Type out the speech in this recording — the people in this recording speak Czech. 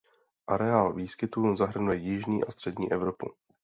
Areál výskytu zahrnuje jižní a střední Evropu.